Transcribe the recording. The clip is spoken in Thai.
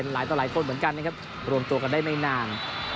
หลายคนเหมือนกันนะครับรวมตัวกันได้ไม่นาน